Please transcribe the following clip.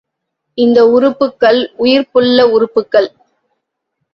இந்த உறுப்புக்கள், உயிர்ப்புள்ள உறுப்புக்கள்!